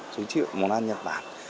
giới thiệu món ăn nhật bản